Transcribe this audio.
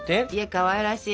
かわいらしい。